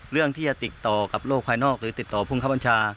เรื่องที่จะติดต่อกับโลกภายนอกหรือติดต่อภูมิคับบัญชา